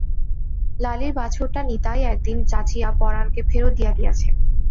লালীর বাছুরটা নিতাই একদিন যাচিয়া পরাণকে ফেরত দিয়া গিয়াছে।